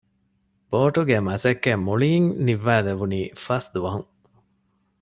ބޯޓުގެ މަސައްކަތް މުޅީން ނިންވައި ލެއްވުނީ ފަސް ދުވަހުން